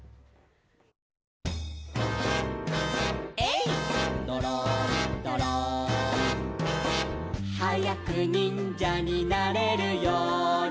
「えいっどろんどろん」「はやくにんじゃになれるように」